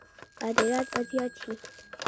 صادرات به زیات شي؟